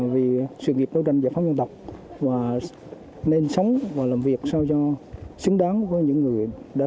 trong việc đối tranh giải phóng dân tộc và nên sống và làm việc sao cho xứng đáng với những người đã